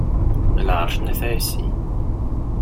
Lɛerc n At ɛisi.